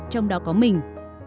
trong đó có mình